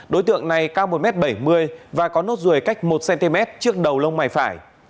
đối tượng này cao một m bảy mươi và có nốt ruồi cách một cm trước đầu lông mày phải